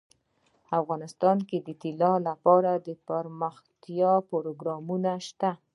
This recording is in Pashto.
افغانستان کې د طلا لپاره دپرمختیا پروګرامونه شته.